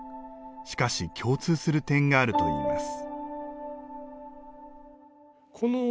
しかし、共通する点があるといいます。